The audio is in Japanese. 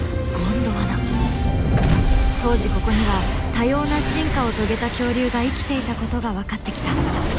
当時ここには多様な進化を遂げた恐竜が生きていたことが分かってきた。